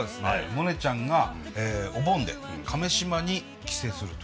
モネちゃんがお盆で亀島に帰省するという。